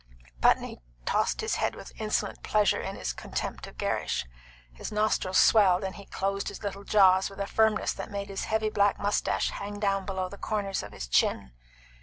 Putney tossed his head with insolent pleasure in his contempt of Gerrish. His nostrils swelled, and he closed his little jaws with a firmness that made his heavy black moustache hang down below the corners of his chin.